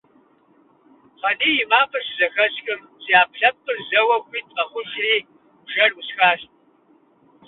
Хъаний и макъыр щызэхэсхым, си Ӏэпкълъэпкъыр зэуэ хуит къэхъужри бжэр Ӏусхащ.